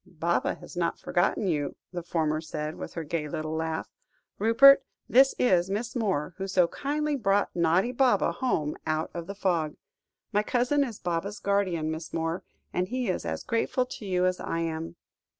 "Baba has not forgotten you," the former said, with her gay little laugh. "Rupert, this is Miss Moore, who so kindly brought naughty Baba home out of the fog. My cousin is Baba's guardian, Miss Moore, and he is as grateful to you as I am."